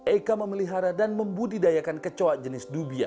eka memelihara dan membudidayakan kecoa jenis dubia